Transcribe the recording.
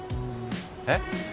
えっ？